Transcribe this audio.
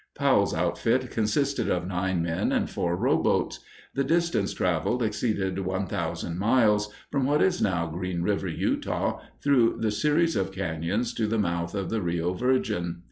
Powell's outfit consisted of nine men and four rowboats. The distance traveled exceeded one thousand miles, from what is now Greenriver, Utah, through the series of cañons to the mouth of the Rio Virgin.